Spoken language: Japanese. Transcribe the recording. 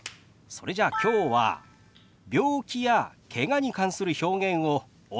それじゃあきょうは病気やけがに関する表現をお教えしましょう。